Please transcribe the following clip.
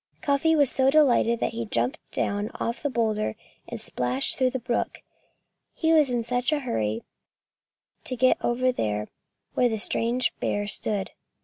Cuffy was so delighted that he jumped down off the boulder and splashed through the brook, he was in such a hurry to get over there where the strange bear stood.